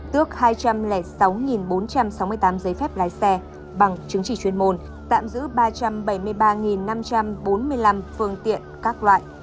tước hai trăm linh sáu bốn trăm sáu mươi tám giấy phép lái xe bằng chứng chỉ chuyên môn tạm giữ ba trăm bảy mươi ba năm trăm bốn mươi năm phương tiện các loại